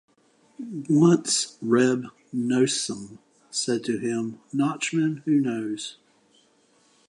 Once Reb Noson said to him, Nachman, who knows?